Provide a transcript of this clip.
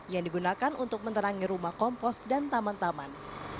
yang digunakan untuk menerangi rumah kompos dan taman taman